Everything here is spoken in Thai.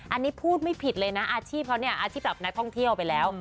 อันนี้พูดไม่ผิดเลยนะอาชีพเขาเนี่ยอาชีพแบบนักท่องเที่ยวไปแล้ว